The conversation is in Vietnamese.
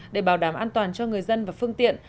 để bảo đảm an toàn cho người dân và phương tiện